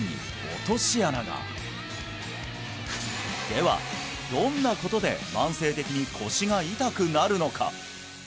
ではどんなことで慢性的に腰が痛くなるのか？